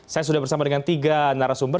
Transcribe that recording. saya sudah bersama dengan tiga narasumber